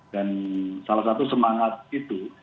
dan salah satu semangat itu